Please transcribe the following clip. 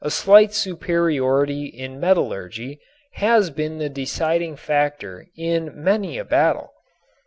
A slight superiority in metallurgy has been the deciding factor in many a battle.